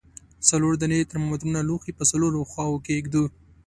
څلور دانې ترمامترونه لوښي په څلورو خواو کې ږدو.